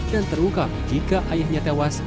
dan terungkap jika ayahnya tewas